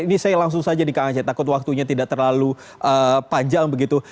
ini saya langsung saja di kang aceh takut waktunya tidak terlalu panjang begitu